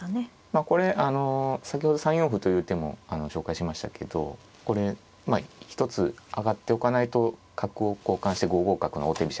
まあこれあの先ほど３四歩という手も紹介しましたけどこれまあ一つ上がっておかないと角を交換して５五角の王手飛車がありますので。